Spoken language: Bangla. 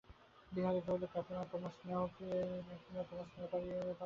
বিহারী কহিল, কাকীমা, তোমার স্নেহ ফিরিয়া পাইবার জন্য।